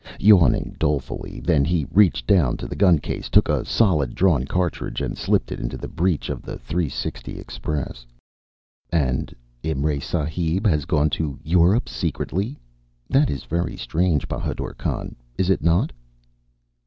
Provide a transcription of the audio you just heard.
Yawning dolefully, then he reached down to the gun case, took a solid drawn cartridge, and slipped it into the breech of the .360 express. "And Imray Sahib has gone to Europe secretly? That is very strange, Bahadur Khan, is it not?"